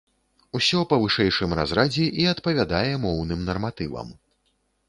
Усё па вышэйшым разрадзе і адпавядае моўным нарматывам.